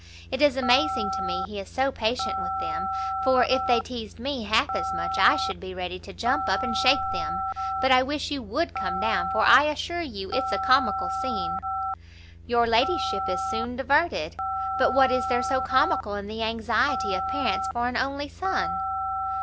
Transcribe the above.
It is amazing to me he is so patient with them, for if they teized me half as much, I should be ready to jump up and shake them. But I wish you would come down, for I assure you it's a comical scene." "Your ladyship is soon diverted! but what is there so comical in the anxiety of parents for an only son?"